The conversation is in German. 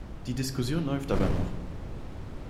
Die Diskussion läuft aber noch.